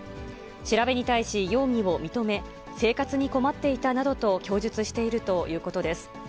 調べに対し、容疑を認め、生活に困っていたなどと供述しているということです。